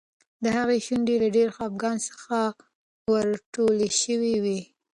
د هغې شونډې له ډېر خپګان څخه ورټولې شوې وې.